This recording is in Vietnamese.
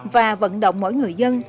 và vận động mỗi người dân